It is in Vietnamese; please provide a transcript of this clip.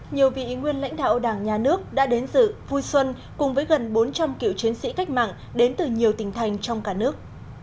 nhiều vị nguyên lãnh đạo đảng nhà nước đã đến dự vui xuân cùng với gần bốn trăm linh cựu chiến sĩ cách mạng đến từ nhiều tỉnh thành trong cả nước